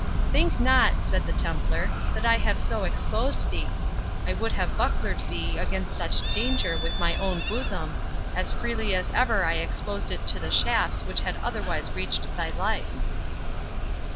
"Think not," said the Templar, "that I have so exposed thee; I would have bucklered thee against such danger with my own bosom, as freely as ever I exposed it to the shafts which had otherwise reached thy life."